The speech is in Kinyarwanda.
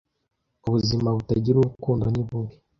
Ubuzima butagira urukundo ni bubi